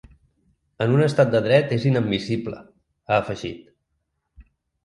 En un estat de dret és inadmissible, ha afegit.